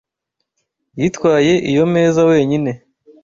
Yatwaye iyo meza wenyine.